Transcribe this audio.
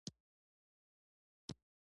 د کلي خره به څروي.